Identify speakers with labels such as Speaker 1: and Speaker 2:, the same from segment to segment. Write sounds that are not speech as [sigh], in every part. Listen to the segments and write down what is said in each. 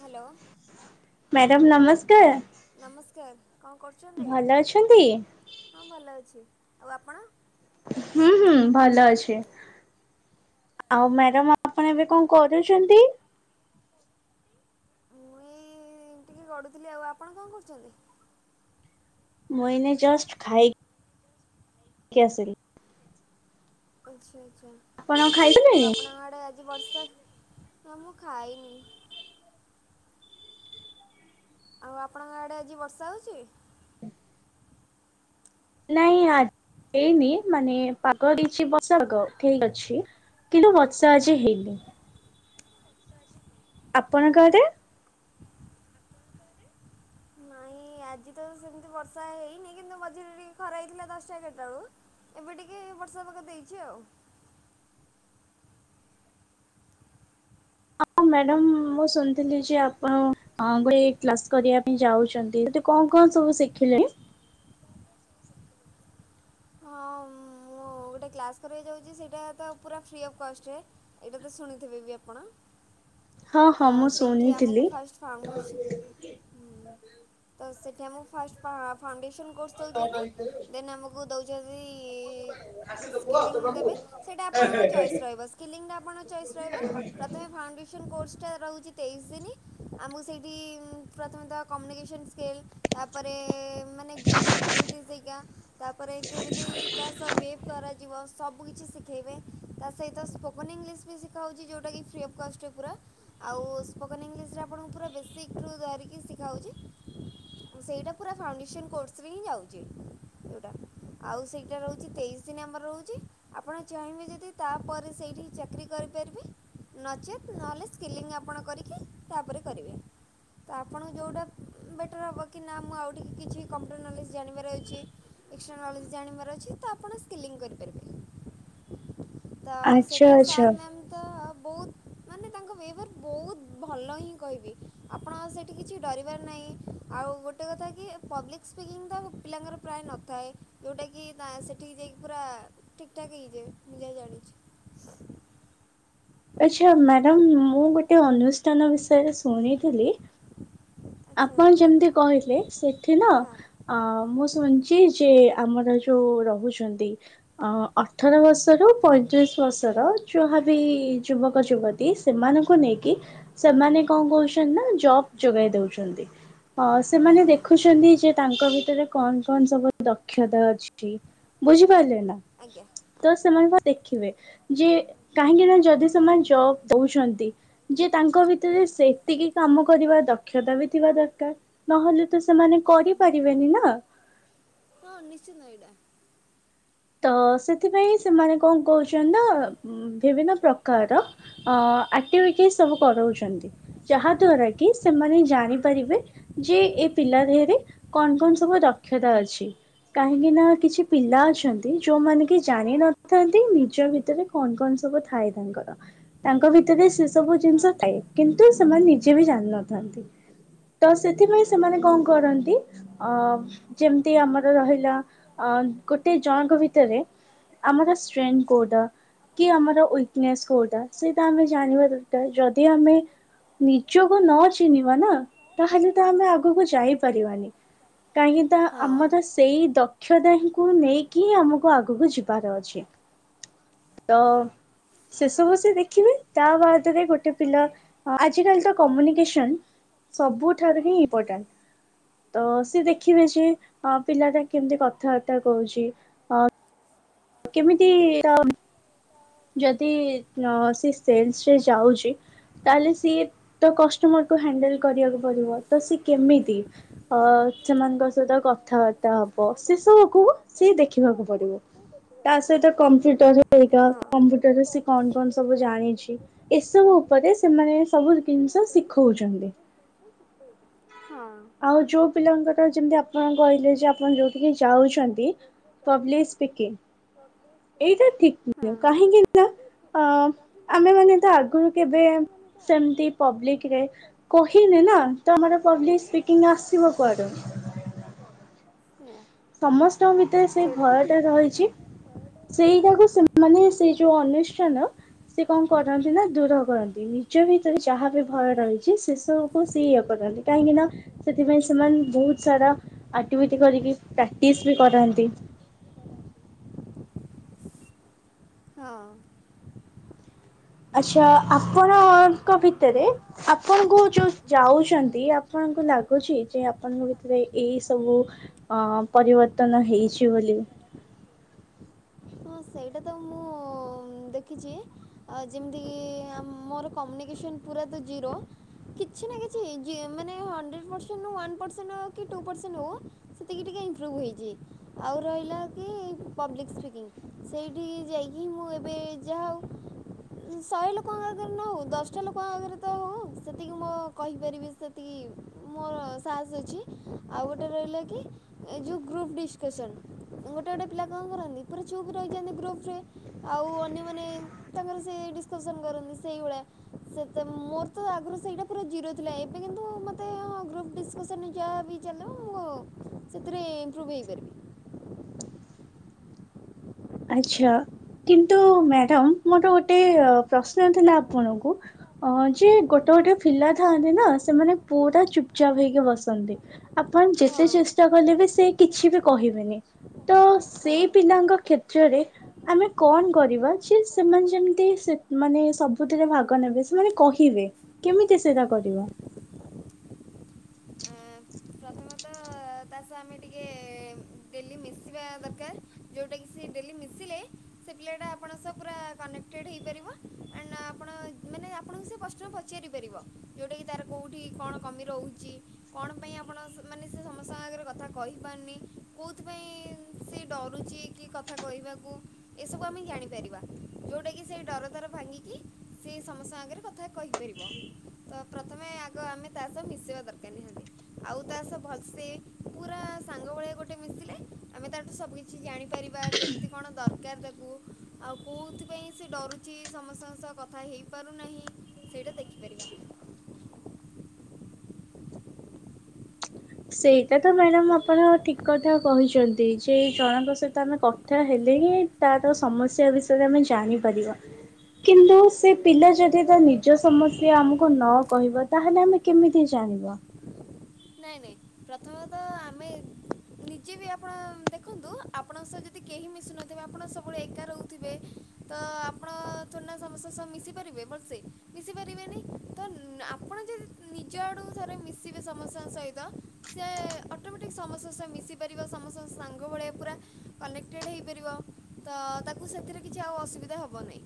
Speaker 1: Hello
Speaker 2: madam ନମସ୍କାର।
Speaker 1: ନମସ୍କାର କଣ କର୍
Speaker 2: ଭଲ ଅଛନ୍ତି?
Speaker 1: ହଁ ଭଲ ଅଛି, ଆଉ ଆପଣ?
Speaker 2: ହୁଁ ହୁଁ, ଭଲ ଅଛି। ଆଉ ମ୍ୟାଡମ ଆପଣ ଏବେ କଣ କରୁଛନ୍ତି?
Speaker 1: ମୁଁ ଏଇ ଟିକେ ଗଢ଼ୁଥିଲି ଆଉ, ଆପଣ କଣ କରୁଛନ୍ତି?
Speaker 2: ମୁଁ ଏଇନେ ଜଷ୍ଟ ଖାଇ କି ଆସିଲି।
Speaker 1: ଆଚ୍ଛା ଆଚ୍ଛା,
Speaker 2: ଆପଣ
Speaker 1: ଆଉ
Speaker 2: ଖାଇସାରିଲେଣି?
Speaker 1: ଆପଣଙ୍କ ଆଡେ ଆଜି ବର୍ଷା ନା ମୁଁ ଖାଇନି। ଆଉ ଆପଣଙ୍କ ଆଡ଼େ ଆଜି ବର୍ଷା ହଉଛି?
Speaker 2: ନାଇଁ ଆ ହେଇନି ମାନେ ପାଗ ଦେଇଛି ବର୍ଷା ପାଗ ଠିକ୍ ଅଛି। କିନ୍ତୁ ବର୍ଷା ଆଜି ହେଇନି। ଆପଣଙ୍କ ଆଡେ?
Speaker 1: ଇଁ ଆଜି ତ ସେମିତି ବର୍ଷା ହେଇନି କିନ୍ତୁ ମଝିରେ ଟିକେ ଖରା ହେଇଥିଲା ଦଶଟା ଏଗାରଟା ବେଳକୁ। ଏବେ ଟିକେ ବର୍ଷା ପାଗ ଦେଇଛି ଆଉ।
Speaker 2: ମ୍ୟାଡମ ମୁଁ ଶୁଣିଥିଲି ଯେ ଆପଣ ଗୋଟେ କ୍ଲାସ୍ କରିବା ପାଇଁ ଯାଉଛନ୍ତି। କଣ କଣ ସବୁ ଶିଖିଲେଣି?
Speaker 1: ହଁ ମୁଁ ଗୋଟେ କ୍ଲାସ୍ କରିବାକୁ ଯାଉଛି ସେଇଟା ତ ପୁରା ଫ୍ରି ଅଫ୍ କଷ୍ଟ୍ ରେ। ଏଇଟା ତ ଶୁଣିଥିବେ ବି ଆପଣ।
Speaker 2: ହଁ
Speaker 1: ତ
Speaker 2: ହଁ ମୁଁ
Speaker 1: ସେଇଠି ଆମକୁ
Speaker 2: ଶୁଣିଥିଲି।
Speaker 1: First foundation. ହୁଁ ତ ସେଠି ଆମକୁ ଫାଷ୍ଟ ଫାଉଣ୍ଡେସନ୍ କୋର୍ସ ଦେଉଛନ୍ତି। ଦେନ୍ ଆମକୁ- ଓ ଦଉଚନ୍ତିଇ - ସ୍କେଲିଂ ଦେବେ ସେଇଟା ଆପଣଙ୍କ ଚଏସ୍ ରହିବ। ସ୍କେଲିଂଟା ଆପଣଙ୍କ ଚଏସ୍ ରହିବ। ପ୍ରଥମେ ଫାଉଣ୍ଡେ- ସନ୍ କୋର୍ସଟା ରହୁଛି ତେଇଶି ଦିନି। ଆମକୁ ସେଇଠି ପ୍ରଥମେତଃ କମ୍ୟୁନିକେସନ୍ ସ୍କିଲ୍- ତା ପରେ ମାନେ ଗ୍ରୁପ୍ ଆକ୍ଟିଭିଟିଜ ହେଇକା। ତା ପରେ କେମିତି କାହା ସହ ବିହେବ୍ କରାଯିବ ସବୁ କିିଛି ଶିଖେଇବେ ତା ସହିତ ସ୍ପୋ- ସ୍ପୋକିଂ ଇଂଲିଶ୍ ବି ଶିଖାହଉଚି ଯୋଉଟା କି ଫ୍ରୀ ଅଫ୍ କଷ୍ଟରେ ପୁରା। ଆଉ ସ୍ପୋକେନ୍ ଇଂଲିଶ୍ ରେ ଆପଣଙ୍କର ପୁରା ବେସିକ୍ ରୁ ଧରିକି ଶିଖାହେଉଛି। ସେଇଟା ପୁରା ଫାଉଣ୍ଡେସନ କୋର୍ସରେ ହିଁ ଯାଉଛି। ଯୋଉଟା। ଆଉ ସେଇଟା ରହୁଛି ତେଇଶି ଦିନ ଆମର ରହୁଛି ଆପଣ ଚାହିଁବେ ଯଦି- ତାପରେ ସେଇଠି ଚାକିରି କରି ପାରିବେ। ନଚେତ୍ ନ ହେଲେ ସ୍କିଲିଂ ଆପଣ କରିକି ତାପରେ କରିବେ। ତ ଆପଣଙ୍କୁ ଯେଉଁଟା ବେଟର୍ ହେବ କି ନା ମୁଁ ଆଉ ଟିକେ କିଛି କମ୍ପ୍ୟୁଟର୍ ନଲେଜ ଜାଣିବାର ଅଛି। ଏକ୍ସଟ୍ରା ନୋଲେଜ ଜାଣିବାର ଅଛି ତ ଆପଣ ସ୍କିଲିଂ କରିପାରିବେ। ତ
Speaker 2: ଆଚ୍ଛା
Speaker 1: ସେଟା
Speaker 2: ଆଚ୍ଛା।
Speaker 1: ସାର୍ ମ୍ୟାମ୍ ତ ବହୁତ। ମାନେ ତାଙ୍କ ବ୍ୟବହାର ବହୁତ ଭଲ ହିଁ କହିବି। ଆପଣ ସେଇଠି କିଛି ଡରିବାର ନାହିଁ ଆଉ। ଗୋଟେ କଥା କି ପବ୍ଲିକ୍ ସ୍ପିକିଂ ତ ପିଲାଙ୍କର- ପ୍ରାୟ ନଥାଏ ଯେଉଁଟାକି ନା ସେଠିକି ଯାଇକି ପୁରା ଠିକ୍ ଠାକ୍ ହେଇଯିବେ ମୁଁ ଯା ଜାଣିଚି। [unintelligible]
Speaker 2: ଆଚ୍ଛା ମ୍ୟାଡ଼ାମ୍ ମୁଁ ଗୋଟେ ଅନୁଷ୍ଠାନ ବିଷୟରେ ଶୁଣିଥିଲି।
Speaker 1: ଆଚ୍ଛା
Speaker 2: ଆପଣ
Speaker 1: କୁହନ୍ତୁ
Speaker 2: ଯେମିତି କହିଲେ ସେଇଠିି ନା-
Speaker 1: ହଁ
Speaker 2: ଅଁ ମୁଁ ଶୁଣିଛି ଯେ ଆମର ଯୋଉ ରହୁଛନ୍ତି। ଅଁ ଅଠର ବର୍ଷରୁ ପଇଁଚାଳିଶି ବର୍ଷ। ର ଯାହାବି ଯୁବକ ଯୁବତୀ ସେମାନଙ୍କୁ ନେଇକି- ସେମାନେ କଣ କହୁଚନ୍ତି ନା ଜବ୍ ଯୋଗାଇ ଦଉଛୁ। ହଁ ସେମାନେ
Speaker 1: ଆଜ୍ଞା
Speaker 2: ଦେଖୁଛନ୍ତି ଯେ ତାଙ୍କ ଭିତରେ କଣ କଣ ସବୁ ଦକ୍ଷତା ଅଛି। ବୁଝିପାରିଲେ ନା।
Speaker 1: ଆଜ୍ଞା
Speaker 2: ତ ସେମାନେ ଦେଖିବେ ଯେ କାହିଁକି ନା ଯଦି ସେମାନେ ଜବ୍ ଦଉଛନ୍ତି। ଯେ ତାଙ୍କ ଭିତରେ ସେତିକି କାମ କରିବା ଦକ୍ଷତା ବି- ଥିବା ଦରକାର ନହେଲେ ତ ସେମାନେ
Speaker 1: ହଁ ହଁ
Speaker 2: କରିପାରିବେନି ନା।
Speaker 1: ହଁ ନିଶ୍ଚିନ୍ତ ଏଇଟା।
Speaker 2: ତ ସେଥିପାଇଁ ସେମାନେ କଣ କହୁଚନ୍ତି ନା। ବିଭିନ୍ନ ପ୍ରକାରର ଅ ଆକ୍ଟିଭିଟି ସବୁ କରଉଛନ୍ତି ଯାହା ଦ୍ୱାରା କି - କି ସେମାନେ ଜାଣିପାରିବେ ଯେ ଏ ପିଲାଦେହରେ। କଣ କଣ ସବୁ ଦକ୍ଷତା ଅଛି କାହିଁକି ନା କିଛି ପିଲା ଅଛନ୍ତି- ଯୋଉମାନେ କି ଜାଣିିନଥାନ୍ତି ନିଜ ଭିତରେ କଣ କଣ ସବୁ ଥାଏ ତାଙ୍କର। ତାଙ୍କ ଭିତରେ ସେ ସବୁ
Speaker 1: ହଁ
Speaker 2: ଜିନିଷ ଥାଏ କିନ୍ତୁ ସେମାନେ ନିଜେ ବି ଜାଣିନଥାନ୍ତି। ତ ସେଥିପାଇଁ ସେମାନେ କଣ କରନ୍ତି। ଅ ଯେମିତି ଆମର ରହିଲା ଅ ଗୋଟେ ଜଣଙ୍କ ଭିତରେ। ଆମର ଷ୍ଟ୍ରେଂଥ କୋଉଟା? କି ଆମର ଉଇକନେସ୍ କୋଉଟା ସେଇଟା ଆମେ ଜାଣିବା ଦରକାର। ଯଦି ଆମେ- ନିଜକୁ ନ ଚିହ୍ନିବା ନା ତାହେଲେ ତ ଆମେ ଆଗକୁ ଯାଇପାରିବାନି। କାହିଁକିତା
Speaker 1: ହଁ
Speaker 2: ଆମର
Speaker 1: ଆଚ୍ଛା
Speaker 2: ସେଇ ଦକ୍ଷତା ହିଁ କୁ ନେଇକି। କି ଆମକୁ ଆଗକୁ ଯିବାର ଅଛି ତ। ଶେ ସବୁ ସେ ଦେଖିବେ। ତା ବାଦରେ ଗୋଟେ ପିଲା ଆଜିକାଲି ତ କମ୍ୟୁନିକେସନ ସବୁଠାରୁ ହିଁ ଇମ୍ପୋର୍ଟାଣ୍ଟ। ତ ସି ଦେଖିବେ ଯେ ପିଲା ତା କେମିତି କଥାବାର୍ତ୍ତା କହୁଛି ଆଉ କେମିତି କ ଯଦି ସି ସେଲ୍ସ୍ ରେ ଯାଉଛି ତାହେଲେ ସିଏ ତ କଷ୍ଟମରକୁୁ ହ୍ୟାଣ୍ଡେଲ୍ କରିବାକୁ ପଡିବ ତ ସେ କେମିତି? ଅ ସେମାନଙ୍କ ସହିତ କଥା କଥାବାର୍ତ୍ତା ହବ ସେ ସବୁକୁ ସିଏ ଦେଖିବାକୁ ପଡିବ। ତା ସହିତ କମ୍ପ୍ୟୁଟର ହେରିକା
Speaker 1: ହଁ।
Speaker 2: ଗୋଟେ ରେ ସେ କଣ କଣ ସବୁ ଜାଣିଛି ଏସବୁ ଉପରେ ଏ ସେମାନେ ସବୁ ଜିନିଷ ଶିଖଉଛନ୍ତି।
Speaker 1: ହଁ।
Speaker 2: ଆଉ ଯୋଉ ପିଲାଙ୍କଟା ଯେମିତି ଆପଣ କହିଲେ ଯେ ଆପଣ ଯୋଉ ଯାଉଛନ୍ତି ପବ୍ଲିକ୍ ସ୍ପିକିଂ ଏଇଟା ଠିକ୍ ନୂହେଁ।
Speaker 1: ହଁ
Speaker 2: କାହିଁକି ନା ଅ ଆମେ ମାନେ ତ ଆଗରୁ କେବେ ସେମତି ପବ୍ଲିକ୍ ରେ କହିନି ନା ତ ଆମର ପବ୍ଲିକ୍ ସ୍ପିକିଂ ଆସିବ କୁଆଡୁ।
Speaker 1: ସେଇଆ
Speaker 2: ସମସ୍ତଙ୍କ ଭିତରେ ସେଇ
Speaker 1: ସେଇଟା ତ
Speaker 2: ଭୟ ଟା
Speaker 1: ଠିକ୍ କଥା।
Speaker 2: ରହିଛି। ସେଇଟାକୁ ସେ ମାନେ ସେଇ ଯୋଉ ଅନୁଷ୍ଠାନ ସେ କଣ କରନ୍ତି ନା ଦୂର କରନ୍ତି, ନିଜ ଭିତରେ ଯାହା ବି ଭୟ ରହିଛି ସେ ସବୁକୁ ସିଏ ଇଏ କରନ୍ତି। କାହିଁକି ନା ସେଥିପାଇଁ ସେମାନେ ବୋହୁତ୍ ସାରା ଆଟିଭିଟି କରିକି ପ୍ରାକ୍ଟିସ ବି କରନ୍ତି।
Speaker 1: ହଁ।
Speaker 2: ଆଛା ଆପଣଙ୍କ ଭିତରେ ଆପଣଙ୍କୁ ଯୋଉ ଯାଉଛନ୍ତି ଆପଣଙ୍କୁ ଲାଗୁଛି ଯେ ଆପଣଙ୍କ ଭିତରେ ଏଇ ସବୁ ଅ ପରିବର୍ତ୍ତନ ହେଇଛି ବୋଲି?
Speaker 1: ହଁ ସେଇଟା ତ ମୁଁ ଦେଖିଛି ଯେମିତିକି ମୋର କମ୍ୟୁନିକେସନ୍ ପୁରା ତ ଜିରୋ। କିଛି ନା କିଛି ଇଜି ମାନେ ହଣ୍ଡ୍ରେଡ ପରସେଣ୍ଟ ରୁ ୱାନ୍ ପର୍ସେଣ୍ଟ କି ଟୁ ପରସେଣ୍ଟ୍ ହଉ, ସେତିକି ଟିକିଏ ଇମ୍ପ୍ରଭ୍ ହୋଇଛି। ଆଉ ରହିଲା କି ପବ୍ଲିକ୍ ସ୍ପିକିଙ୍ଗ୍ ସେଇଠି ଯାଇକିିଁ ମୁଁ ଏବେ ଯାଉ ଶହେ ଲୋକଙ୍କ ଆଗରୁ ନ ହଉ ଦଶଟା ଲୋକଙ୍କ ଆଗରେ ତ ହଉ ସେତିକି ମୁଁ କହିପାରିବି। ଏତିକି ମୋର ସାହାସ ଅଛି। ଆଉ ଗୋଟେ ରହିଲା କି ଏ ଯୋଉ ଗ୍ରୁପ୍ ଡିସ୍କସନ୍ ଗୋଟେ ଗୋଟେ ପିଲା କଣ କରନ୍ତି ପରେ ଚୁପ୍ ରହିଯାନ୍ତି ଗ୍ରୁପ୍ ରେ ଆଉ ଅନ୍ୟମାନେ ତାଙ୍କର ସେ ଡିସ୍କସନ୍ କରନ୍ତି ସେଇଭଳିଆ। ସେତେ ମୋର ତ ଆଗରୁ ସେଇଟା ପୁରା ଜିରୋ ଥିଲା ଏବେ କିନ୍ତୁ ମତେଁ ଗ୍ରୁପ୍ ଡିସ୍ କସନ୍ ଯାହା ବି ଚାଲ ମୁଁ ସେଥିରେ ଇମ୍ପ୍ରଭ୍ ହେଇପାରିବି। କ'ଣ?
Speaker 2: ଆଚ୍ଛା କିନ୍ତୁ ମ୍ୟାଡ଼ାମ ମୋର ଗୋଟେ ପ୍ରଶ୍ନ ଥିଲା ଆପଣଙ୍କୁ ଅ ଯିଏ ଗୋଟେ ଗୋଟେ ପିଲା ଥାଆନ୍ତି ନା ସେମାନେ ପୁରା ଚୁପ୍ ଚାପ୍ ହେଇକି ବସନ୍ତି। ଆପଣ ଯେତେ
Speaker 1: ହଁ
Speaker 2: ଚେଷ୍ଟା କଲେ ବି ସେ କିଛି ବି କହିବେନି, ତ ସେଇ ପିଲାଙ୍କ କ୍ଷେତ [unintelligible] ଆମେ କଣ କରିବା ଯେ ସେମାନେ ଯେମିତି ମାନେ ସବୁଥିରେ ଭାଗ ନେବେ ସେମାନେ କହିବେ। କେମିତି ସେଟା କରିବ?
Speaker 1: ଆ ପ୍ରଥମତଃ ତା ସହ ଆମେ ଟିକେ ଡେଲି ମିଶିବା ଦରକାର ଯେଉଁଟା କିି ସେ ଡେଲି ମିଶିଲେ ସେ ପିଲା ଟା ଆପଣଙ୍କ ସହ ପୁରା କନେକ୍ଟେଡ଼୍ ହେଇପାରିବ ଆଣ୍ଡ୍ ଆପଣ ମାନେ ଆପଣଙ୍କୁ ସେ ପ୍ରଶ୍ନ ପଚାରିପାରିବ। ଯୋଉଟା କିି ତାର କୋଉଠି କଣ କମି ରହୁଛି କଣ ପାଇଁ ଆପଣଙ୍କ ସେ ମାନେ ସେ ସମସ୍ତଙ୍କ ଆଗରେ କଥା କହିପାରୁନି କେଉଁଥିପାଇଁ ସେ ଡରୁଛି କି କଥା କହିବାକୁ। ଏସବୁ ଆମେ ଜାଣିପାରିବା ଯୋଉଟା କି ସେଇ ଡର ତାର ଭାଙ୍ଗିକି ସେ ସମସ୍ତଙ୍କ ଆଗରେ କଥା। କହିପାରିବ ତ ପ୍ରଥମେ ଆଗ ଆମେ ତା ସହ ମିଶେବା ଦରକାର ନିହାତି ଆଉ ତା ସହ। ଭଲସେ ପୁରା ସାଙ୍ଗ ଭଳିଆ ଗୋଟେ ମିଶିଲେ ଆମେ ତାଠୁ ସବୁ କିଛି ଜାଣିପାରିବା କେମିତି। କଣ ଦରକାର ତାକୁ ଆଉ କୋଉଥିପାଇଁ ସେ ଡରୁଛି ସମସ୍ତଙ୍କ ସହ କଥା ହେଇପାରୁନାହିଁ। ସେଇଟା ଦେଖି ପାରିବା।
Speaker 2: ସେଇଟା ତ ମ୍ୟାଡାମ ଆପଣ ଠିକ କଥା କହିଛନ୍ତି ଯେ ଜଣଙ୍କ ସହିତ ଆମେ କଥ୍ କଥା ହେଲେ ହିଁ ତାର ସମସ୍ୟା ବିଷୟରେ ଆମେ ଜାଣିପାରିବା। କିନ୍ତୁ ସେ ପିଲା ଯଦି ତା ନିଜ ସମସ୍ୟା ଆମକୁ ନ କହିବ। ତାହେଲେ ଆମେ କେମିତି ଜାଣିବା।
Speaker 1: ନାଇଁ ନାଇଁ ପ୍ରଥମେ ତ ଆମେ। ନିଜେ ବି ଆପଣ ଦେଖନ୍ତୁ ଆପଣଙ୍କ ସହ ଯଦି କେହି ମିଶୁନଥିବେ ଆପଣ ସବୁବେଳେ ଏକା ରହୁଥିବେ। ତ ଆପଣ ଥୋଡି ନା ସମସ୍ତଙ୍କ ସହ ମିଶି ପାରିବେ ଭଲଷେ ମିଶି ପାରିବେନି ତ ଆପଣ ଯଦି। ନିଜ ଆଡୁ ଥରେ ମିଶିବେ ସମସ୍ତଙ୍କ ସହିତ। ସେ ଅଟୋମେଟିକ୍ ସମସ୍ତଙ୍କ ସହ ମିଶି ପାରିବ ସମସ୍ତଙ୍କ ସାଙ୍ଗ ଭଳିଆ ପୁରା କନେକ୍ଟେଡ଼୍ ହେଇପାରିବ। ତ ତାକୁ ସେଥିରେ କିଛି ଆଉ ଅସୁବିଧା ହବ ନାହିଁ।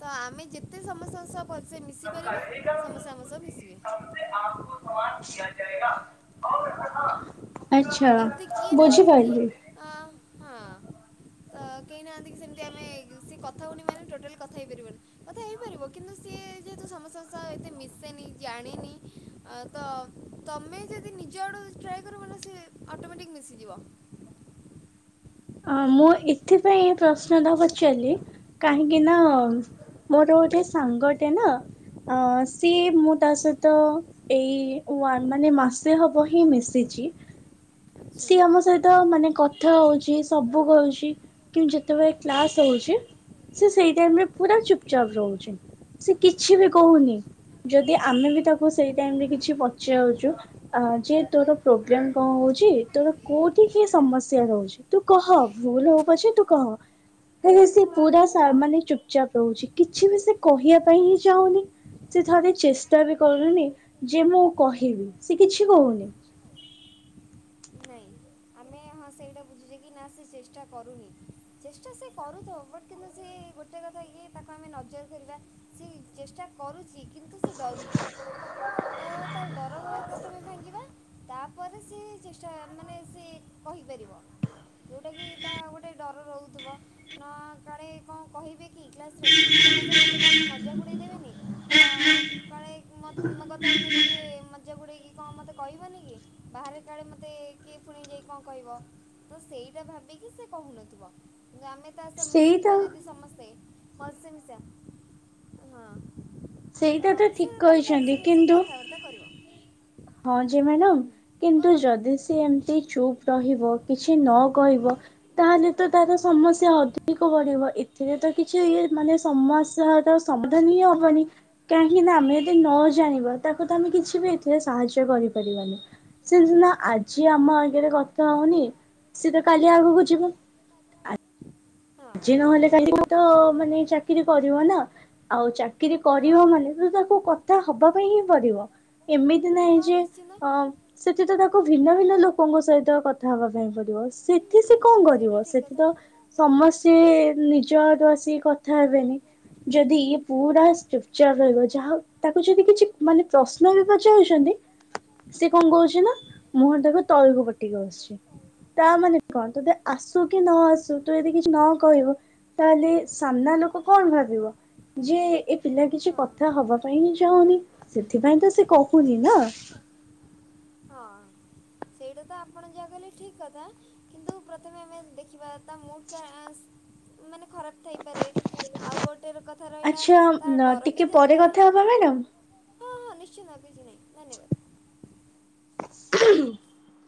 Speaker 1: ତ ଆମେ ଯେତେ ସମସ୍ତଙ୍କ ସହ ଭଲସେ ମିଶି ପାରିବା ସମସ୍ତେ ଆମ ସହ ମିଶିବେ।
Speaker 2: [unintelligible] ଆଚ୍ଛା
Speaker 1: ଏମିତି କିଏ ନାହାନ୍ତି କି
Speaker 2: ବୁଝିପାରିଲି।
Speaker 1: ଆଁ ହଁ। ତ କେହି ନାହାନ୍ତି କି ସେମତି ଆମେ ସିଏ କଥା ହଉନି ମାନେ ଟୋଟାଲ କଥା ହେଇପାରିବନି। କଥା ହେଇପାରିବ କିନ୍ତୁ ସିଏ ଯେହେତୁ ସମସ୍ତଙ୍କ ସହ ଏତେ ମିଶେନି ଜାଣିନି। ତ ତମେ ଯଦି ନିଜ ଆଡୁ ଟ୍ରାଏ କରିବ ତ ସେ ଅଟୋମେଟିକ ମିଶିଯିବ।
Speaker 2: ଆଁ ମୁଁ ଏଥିପାଇଁ ପ୍ରଶ୍ନ ଟା ପଚାରିଲି କାହିଁକି ନା। ମୋର ଗୋଟେ ସାଙ୍ଗଟେ ନା ଅ ସିଏ ମୁଁ ତା ସହିତ। ଏଇ ୱନ ମାନେ ମାସେ ହବ ହିଁ ମିଶିଛି।
Speaker 1: ଆଚ୍ଛା
Speaker 2: ସିଏ ଆମ ସହିତ ମାନେ କଥା ହଉଛି। ସବୁ କରୁଛି କିନ୍ତୁ ଯେତେବେଳେ କ୍ଲାସ ହଉଛି। ସିଏ ସେଇ ଟାଇମରେ ପୁରା ଚୁପଚାପ ରହୁଛି ସିଏ କିଛି ବି କହୁନି। ଯଦି ଆମେ ବି ତାକୁ ସେଇ ଟାଇମରେ କିଛି ପଚାରୁଛୁ। ଅ ଯେ ତୋର ପ୍ରୋବ୍ଲେମ କଣ ହଉଛି ତୋର କୋଉଠି କି ସମସ୍ୟା ରହୁଛି। ତୁ କହ ଭୁଲ ହଉ ପଛେ ତୁ କହ। କାଇଁ ନା ସେ ପୁରା ସା ମାନେ ଚୁପଚାପ ରହୁଛି କିଛି ବି ସେ କହିବା ପାଇଁ ହିଁ ଚାହୁଁନି। ସେ ଥରେ ଚେଷ୍ଟା ବି କରୁନି ଯେ ମୁଁ କହିବି ସେ କିଛି କହୁନି।
Speaker 1: ନାଇଁ ଆମେ ହଁ ସେଇଟା ବୁଝୁଛେ କି ନା ସେ ଚେଷ୍ଟା କରୁନି। ଚେଷ୍ଟା ସେ କରୁଥବ ବଟ କିନ୍ତୁ ସିଏ ଗୋଟେ କଥା ଇଏ ତାକୁ ଆମେ ନଜର କରିବା। ସେ ଚେଷ୍ଟା କରୁଛି କିନ୍ତୁ ସେ ଡରୁଛି ତ ତା ଡର ର ପ୍ରଥମେ ଭାଙ୍ଗିବା ତାପରେ ସିଏ ଚେଷ୍ଟା ମାନେ ସିଏ କହିପାରିବ। ଯେଉଟା କିି ତା ଗୋଟେ ଡର ରହୁଥିବ ନୁହଁ କାଳେ କଣ କହିବେ। କି କ୍ଲାସ ରେ ସମସ୍ତେ ମତେ ନେଇକି ମଜାକ୍ ଉଡେଇ ଦେବେନି ତ। କାଳେ ମୋ ମୋ କଥାକୁ ନେଇକି କିଏ ମଜା ବୁଡେଇକି କଁ ମତେ କହିବନି କି ବାହାରେ କାଳେ ମତେ। ମତେ କିଏ ପୁଣି ଯାଇ କଣ କହିବ ତ ସେଇଟା ଭାବିକି ସେ କହୁନଥିବ କିନ୍ତୁ ଆମେ। ତା ସହ ମିଶିଯିବା
Speaker 2: ସେଇଟା
Speaker 1: ଯଦି ସମସ୍ତେ ଭଲସେ ମିଶିବା ହଁ। ତ
Speaker 2: ସେଇଟା ତ ଠିକ
Speaker 1: ସିଏ ତାହେଲେ
Speaker 2: କହିଛନ୍ତି
Speaker 1: ଭଲସେ ମିଶିକି
Speaker 2: କିନ୍ତୁ
Speaker 1: କଥାବାର୍ତ୍ତା କରିବ।
Speaker 2: ହଁ ଯେ ମ୍ୟାଡ଼ମ୍ କିନ୍ତୁ
Speaker 1: କୁହନ୍ତୁ
Speaker 2: ଯଦି ସିଏ ଏମିତି ଚୁପ୍ ରହିବ କିଛି ନ କହିବ ତାହେଲେ ତ ତାର ସମସ୍ୟା ଅଧିକ ବଢିବ ଏଥିରେ ତ କିଛି ଇଏ ମାନେ ସମସ୍ୟାର ସମାଧାନ ହିଁ ହବନି କାହିଁକି ନା ଆମେ ଯଦି ନ ଜାଣିବା ତାକୁ ତ ଆମେ କିଛି ବି ଏଥିରେ ସାହାଯ୍ୟ କରିପାରିବାନି। ସେ ସିନା ଆଜି ଆମ ଆଗରେ କଥା ହଉନି ସିଏ ତ କାଲି ଆଗକୁ ଯିବ
Speaker 1: ହଁ
Speaker 2: ଆଜି ନହେଲେ କାଲି ତ ମାନେ ଚାକିରି କରିବ ନା ଆଉ ଚା କିରି
Speaker 1: ହଁ
Speaker 2: କରିବ ମାନେ ତ ତାକୁ କଥା ହବା ପାଇଁ ହିଁ ପଡିବ ଏମିତି ନାହିଁ
Speaker 1: ହଁ
Speaker 2: ଯେ
Speaker 1: ନିଶ୍ଚିନ୍ତ
Speaker 2: ଅ ସେଥି ତ ତାକୁ ଭିନ୍ନ ଭିନ୍ନ ଲୋକଙ୍କ ସହିତ କଥା ହବା ପାଇଁ ପଡିବ ସେ
Speaker 1: ହୁଁ,
Speaker 2: ଏଠି ସେ
Speaker 1: ହୁଁ,
Speaker 2: କଣ
Speaker 1: ସେଇଟା
Speaker 2: କରିବ
Speaker 1: ଠିକ୍
Speaker 2: ସେଠି
Speaker 1: କଥା
Speaker 2: ତ ସମସ୍ତେ ନିଜଆଡୁ ଆସି କଥା ହେବେନି ଯଦି ଇ ପୁରା ସ୍ପିପଚର ରହିବ ଯାହା ତାକୁ ଯଦି କିଛି ମାନେ ପ୍ରଶ୍ନ ବି ପଚାଉଚନ୍ତି
Speaker 1: [inaudible]
Speaker 2: ସିଏ କଣ କରୁଚି ନା ମୁହଁ ଟାକୁ ତଳକୁ ପୋତିକି ବସଚୁ। ତାମାନେ କଣ ତୁତ ଆସୁକି ନ ଆସୁ ତୁ ଯଦି କିଛି ନ କହିବୁ ତାହେଲେ ସାମ୍ନା ଲୋକ କଣ ଭାବିବ। ଯେ ଏ ପିଲା କିଛି
Speaker 1: ହଁ
Speaker 2: କଥା ହବା ପାଇଁ ହିଁ ଚାହୁଁନି। ସେଥିପାଇଁ ତ ସେ କହୁନି ନା।
Speaker 1: ହଁ ସେଇଟା ତ ଆପଣ ଯାହା କହଲେ ଠିକ୍ କଥା କିନ୍ତୁ ପ୍ରଥମେ ଆମେ ଦେଖିବା ତା ମୁଡ଼ କା ଆସ୍ ମାନେ ଖରାପ୍ ଥାଇପାରେ ଆଉ ଗୋ ଟେ କଥାରହିଲା ତାର
Speaker 2: ଆଚ୍ଛା
Speaker 1: ଡର ବି
Speaker 2: ଟିକେ ପରେ
Speaker 1: ଥାଇପାରେ।
Speaker 2: କଥା ହବା ମ୍ୟାଡାମ।
Speaker 1: ହଁ ହଁ ନିଶ୍ଚିତ କିଛି ନାହିଁ ଧନ୍ୟବାଦ।
Speaker 2: [unintelligible]